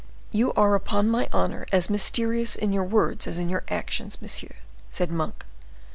"You are, upon my honor, as mysterious in your words as in your actions, monsieur," said Monk.